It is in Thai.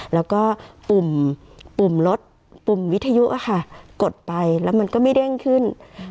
แล้วก็ปุ่มรถปุ่มวิทยุกดไปแล้วมันก็ไม่เด้งขึ้น